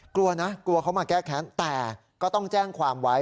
กลัวนะกลัวเขามาแก้แค้นแต่ก็ต้องแจ้งความไว้